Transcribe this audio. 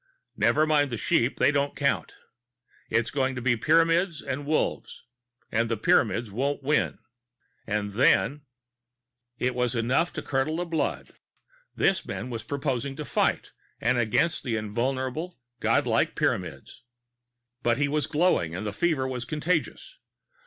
Never mind the sheep they don't count. It's going to be Pyramids and Wolves, and the Pyramids won't win. And then " It was enough to curdle the blood. This man was proposing to fight, and against the invulnerable, the godlike Pyramids. But he was glowing and the fever was contagious.